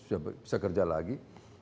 jadi kita bisa kerja lagi